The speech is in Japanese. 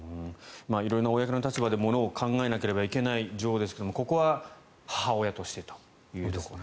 色々な大役の立場で物を考えなければいけない女王ですがここは母親としてと。